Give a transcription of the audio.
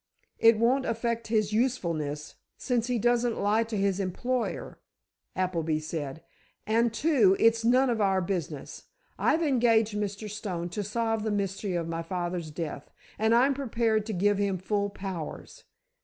"It won't affect his usefulness, since he doesn't lie to his employer," Appleby said, "and, too, it's none of our business. I've engaged Mr. Stone to solve the mystery of my father's death, and I'm prepared to give him full powers.